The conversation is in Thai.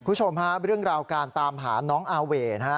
คุณผู้ชมฮะเรื่องราวการตามหาน้องอาเว่นะฮะ